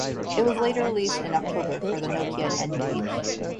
It was later released in October for the Nokia N-Gage.